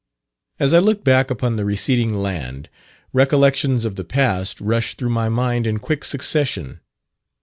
As I looked back upon the receding land, recollections of the past rushed through my mind in quick succession.